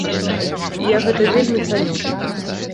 Я гэта вельмі цаню.